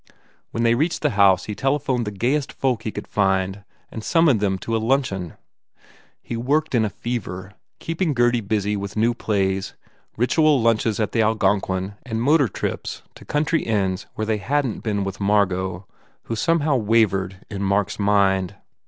When they reached the house he telephoned the gayest folk he could find and summoned them to a luncheon. He worked in a fever, keeping Gurdy busy with new plays, ritual lunches at the Algon quin and motor trips to country inns where they hadn t been with Margot who somehow wavered in Mark s mind.